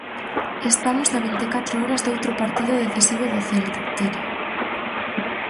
Estamos a vinte e catro horas doutro partido decisivo do Celta, Terio.